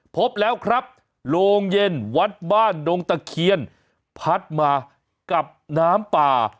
พบแล้วครับโรงเย็นวัดบ้านดงตะเคียนพัดมากับน้ำป่า